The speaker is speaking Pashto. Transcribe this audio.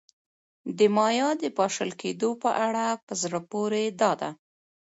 د مایا د پاشل کېدو په اړه په زړه پورې دا ده